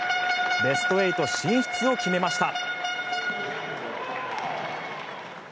ベスト８進出を決めました。